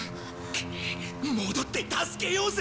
くっ戻って助けようぜ！